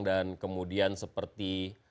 dan kemudian seperti